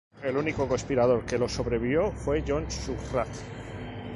El único conspirador que lo sobrevivió fue John Surratt.